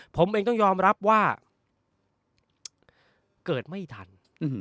ผมเองต้องยอมรับว่าเกิดไม่ทัน